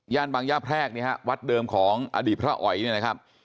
บางย่าแพรกเนี่ยฮะวัดเดิมของอดีตพระอ๋อยเนี่ยนะครับ